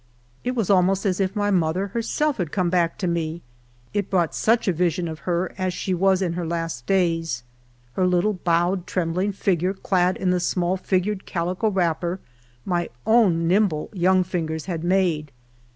It was almost as if my mother herself had come back to me, it brought such a vision of her as she was in her last days, her little bowed, tremblino: figure clad in the small Hgured calico wrapper my own nimble young fingers had made.